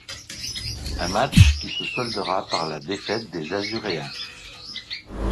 Un match qui se soldera par la défaite des Azuréens.